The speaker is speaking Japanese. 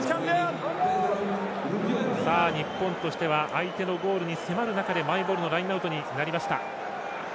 日本としては相手のゴールに迫る中でマイボールのラインアウトになりました。